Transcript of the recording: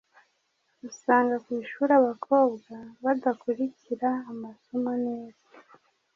usanga ku ishuri abakobwa badakurikira amasomo neza